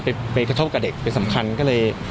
ไปกระทบกับเด็กไปสำคัญที่เลย